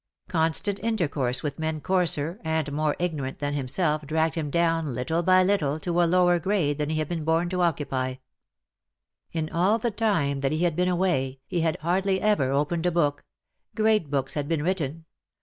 Constant intercourse with men *' LOVE WILL HAVE HIS DAY." 65 coarser and more ignorant tlian himself dragged him down little by little to a lower grade than he had been born to occupy. In all the time that he had been away he had hardly ever opened a book^ Great books had been written.